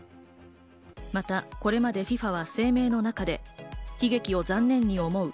またこれまで、ＦＩＦＡは声明の中で、悲劇を残念に思う。